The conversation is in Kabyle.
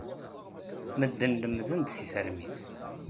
Medden lemmden-d seg termit.